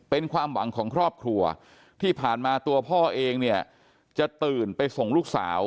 เป็นความหวังของครอบครัวที่ผ่านมาตัวพ่อเองเนี่ยจะตื่นไปส่งลูกสาว